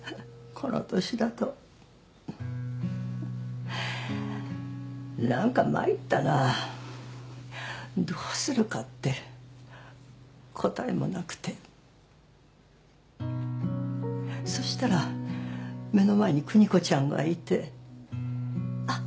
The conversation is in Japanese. この年だとなんかまいったなどうするかって答えもなくてそしたら目の前に邦子ちゃんがいてあっ